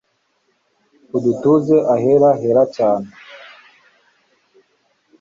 udutuze ahera hera cyane